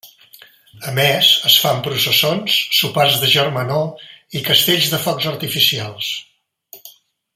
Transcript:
A més, es fan processons, sopars de germanor i castells de focs artificials.